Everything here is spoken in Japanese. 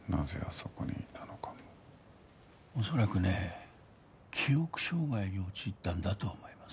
恐らくね記憶障害に陥ったんだと思います。